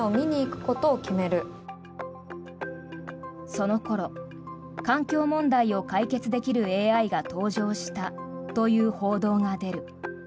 その頃、環境問題を解決できるＡＩが登場したという報道が出る。